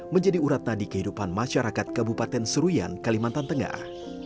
menjadi uratna di kehidupan masyarakat kabupaten seruian kalimantan tengah